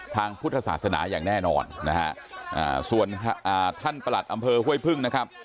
ทางพุทธศาสนาอย่างแน่นอนนะฮะส่วนท่านประหลัดอำเภอห้วยพึ่งนะครับ